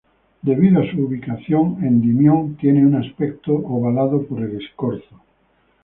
Debido a su ubicación, Endymion tiene un aspecto ovalado por el escorzo.